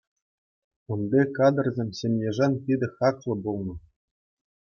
Унти кадрсем ҫемьешӗн питӗ хаклӑ пулнӑ.